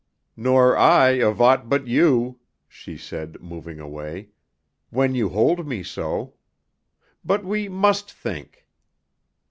"Nor I of aught but you," she said, moving away, "when you hold me so. But we must think."